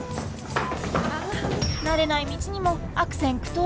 慣れない道にも悪戦苦闘！